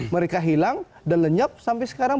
mereka hilang dan lenyap sampai sekarang